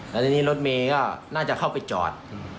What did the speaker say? และในนี้รถเมน่าจะเข้าไปจอด